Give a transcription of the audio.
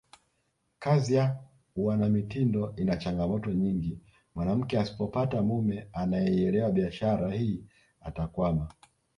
Kazi ya uanamitindo ina changamoto nyingi mwanamke asipopata mume anayeielewa biashara hii atakwama